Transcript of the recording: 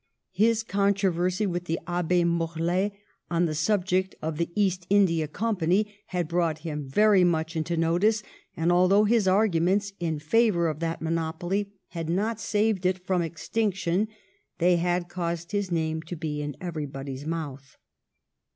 His controversy with the Abb£ Morellet, on the sub ject of the East India Company, had brought him very much into notice ; and, although his arguments in favor of that monopoly had not saved it from extinction, they had caused his name to be in everybody's mouth.